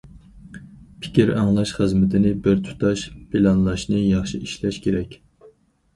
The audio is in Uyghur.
پىكىر ئاڭلاش خىزمىتىنى بىر تۇتاش پىلانلاشنى ياخشى ئىشلەش كېرەك.